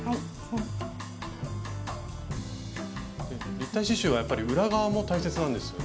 立体刺しゅうはやっぱり裏側も大切なんですよね。